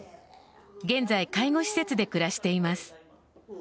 現在、介護施設で暮らしています。